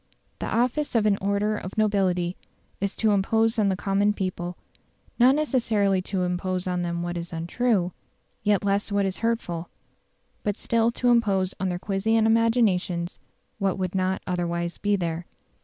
The office of an order of nobility is to impose on the common people not necessarily to impose on them what is untrue, yet less what is hurtful; but still to impose on their quiescent imaginations what would not otherwise be there.